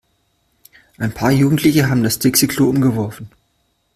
Ein paar Jugendliche haben das Dixi-Klo umgeworfen.